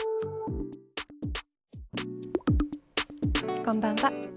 こんばんは。